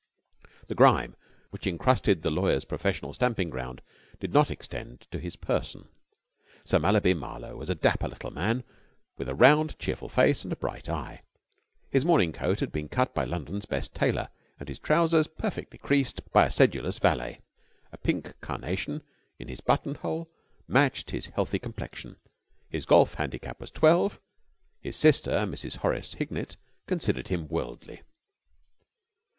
The grime which encrusted the lawyer's professional stamping ground did not extend to his person. Sir Mallaby Marlowe was a dapper little man, with a round, cheerful face and a bright eye. His morning coat had been cut by London's best tailor, and his trousers perfectly creased by a sedulous valet. A pink carnation in his buttonhole matched his healthy complexion. His golf handicap was twelve. His sister, Mrs. Horace Hignett, considered him worldly.